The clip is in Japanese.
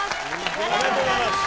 おめでとうございます。